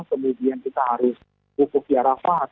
kemudian kita harus pupuk di arafat